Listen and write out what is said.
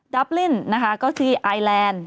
ดับลินด์นะคะก็คือไอร์แลนด์